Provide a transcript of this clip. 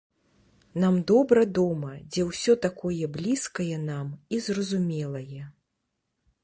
Нам добра дома, дзе ўсё такое блізкае нам і зразумелае.